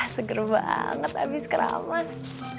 seger banget abis keramas